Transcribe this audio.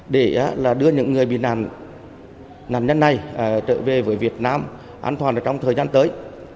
để đưa những người bị nạn nhân này trở về với việt nam an toàn trong thời gian tới